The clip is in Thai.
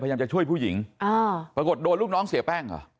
พยายามจะช่วยผู้หญิงอ่าปรากฏโดนลูกน้องเสียแป้งเหรอ